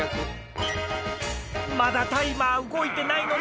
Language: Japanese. まだタイマー動いてないのに。